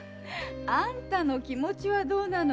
あんたの気持ちはどうなの？